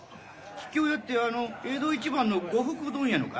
桔梗屋ってあの江戸一番の呉服問屋のか？